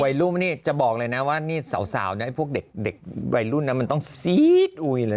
วัยรุ่นนี่จะบอกเลยนะว่านี่สาวไว้รุ่นนั้นมันต้องซี๊ด